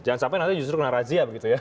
jangan sampai nanti justru kena razia begitu ya